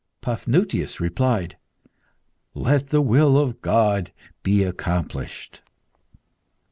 Paphnutius replied "Let the will of God be accomplished!"